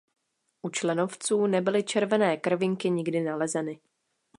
U členovců nebyly červené krvinky nikdy nalezeny.